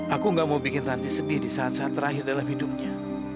aku gak mau bikin ranti sedih di saat saat terakhir dalam hidupnya